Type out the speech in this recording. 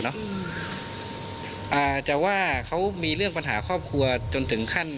อืมอ่าจะว่าเขามีเรื่องปัญหาครอบครัวจนถึงขั้น